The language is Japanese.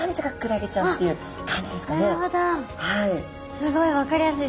すごい分かりやすい。